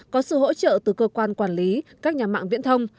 có sự hỗ trợ từ cơ quan quản lý các nhà mạng viễn thông